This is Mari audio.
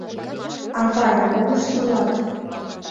— Авай, мом ыштылат?